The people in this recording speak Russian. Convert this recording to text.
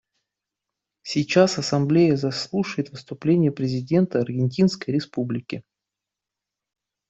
Сейчас Ассамблея заслушает выступление президента Аргентинской Республики.